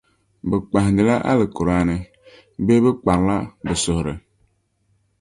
Bɛ kpahindila Alkur’aani, bee bε kparila bε suhiri?